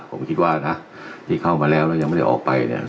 ผมคิดว่านะที่เข้ามาแล้วแล้วยังไม่ได้ออกไปเนี่ย